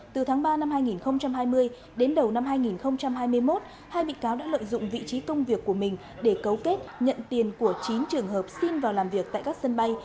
từ tháng ba năm hai nghìn hai mươi đến đầu năm hai nghìn hai mươi một hai bị cáo đã lợi dụng vị trí công việc của mình để cấu kết nhận tiền của chín trường hợp xin vào làm việc tại các sân bay